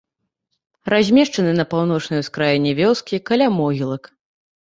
Размешчаны на паўночнай ускраіне вёскі, каля могілак.